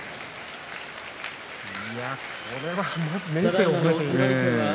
これはまず明生を褒めたいですね。